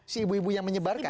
si ibu ibu yang menyebarkan